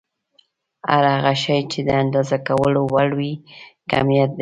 هر هغه شی چې د اندازه کولو وړ وي کميت دی.